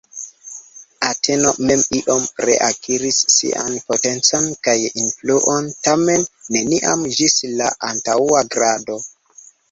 Ateno mem iom reakiris sian potencon kaj influon, tamen neniam ĝis la antaŭa grado.